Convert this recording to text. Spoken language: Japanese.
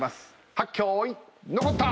はっけよいのこった！